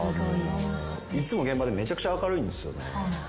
いつも現場でめちゃくちゃ明るいんですよね。